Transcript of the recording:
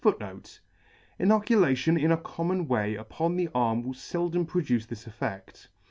* Inoculation in a common way upon the arm will feldom produce this effect.